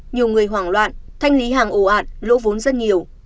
nhiều người hoảng loạn thanh lý hàng ổ ạn lỗ vốn rất nhiều